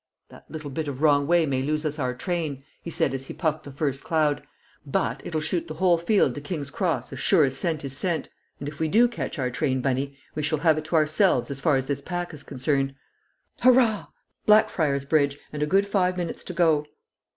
"That little bit of wrong way may lose us our train," he said as he puffed the first cloud. "But it'll shoot the whole field to King's Cross as sure as scent is scent; and if we do catch our train, Bunny, we shall have it to ourselves as far as this pack is concerned. Hurrah! Blackfriar's Bridge and a good five minutes to go!"